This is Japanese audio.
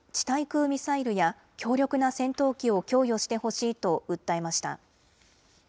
対空ミサイルや強力な戦闘機を供与してほしいと訴えました。